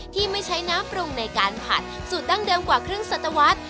ที่ไม่ใช้น้ำปรุงในการผัดสูตรดั้งเดิมกว่าครึ่งสัตวรรษ